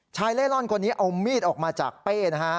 เล่ร่อนคนนี้เอามีดออกมาจากเป้นะฮะ